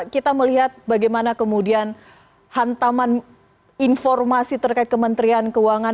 kita melihat bagaimana kemudian hantaman informasi terkait kementerian keuangan